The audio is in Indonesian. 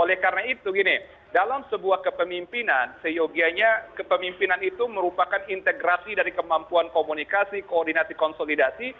oleh karena itu gini dalam sebuah kepemimpinan seyogianya kepemimpinan itu merupakan integrasi dari kemampuan komunikasi koordinasi konsolidasi